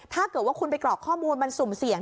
ถ้าเกิดว่าคุณไปกรอกข้อมูลมันสุ่มเสี่ยง